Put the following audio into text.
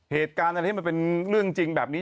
เหตุการณ์อะไรที่มันเป็นเรื่องจริงแบบนี้